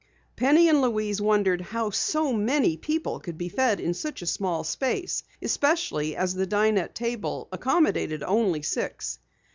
Penny and Louise wondered how so many persons could be fed in such a small space, especially as the dinette table accommodated only six.